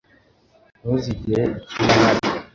Ntuzigere ukina hano.